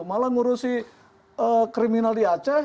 malah ngurusi kriminal di aceh